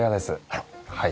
はい。